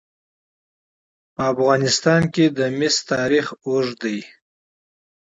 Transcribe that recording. په افغانستان کې د مس تاریخ اوږد دی.